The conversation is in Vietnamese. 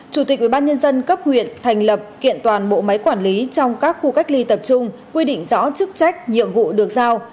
chủ tịch ubnd cấp huyện thành lập kiện toàn bộ máy quản lý trong các khu cách ly tập trung quy định rõ chức trách nhiệm vụ được giao